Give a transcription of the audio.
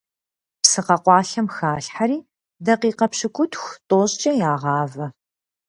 Псы къэкъуалъэм халъхьэри дакъикъэ пщыкӏутху-тӏощӏкъэ ягъавэ.